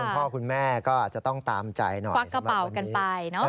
คุณพ่อคุณแม่ก็จะต้องตามใจหน่อย